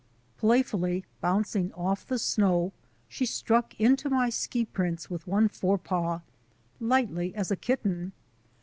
Playfully bouncing off the snow, she struck into my ski prints with one forepaw, lightly as a kitten.